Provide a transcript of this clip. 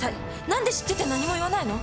何で知ってて何も言わないの？